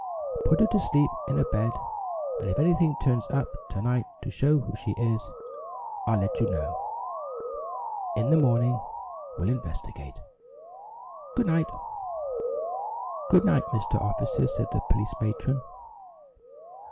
Put her to sleep in a bed and if anything turns up to night to show who she is, I'll let you know. In the morning we'll investigate. Good night." "Good night, Mr. Officer," said the police matron.